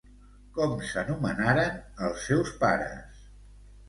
Com s'anomenaren els seus pares?